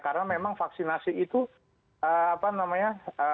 karena memang vaksinasi itu apa namanya